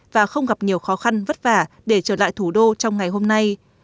và không gặp nhiều khó khăn vất vả để trở lại thủ đô trong ngày hôm nay